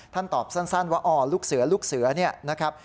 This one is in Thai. ท่านตอบสั้นว่าลูกเสือนี่นะครับ